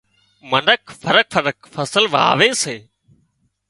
منک فرق فرق فصل واوي سي